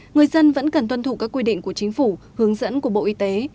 người dân vẫn cần tuân thụ các quy định của chính phủ hướng dẫn của bộ y tế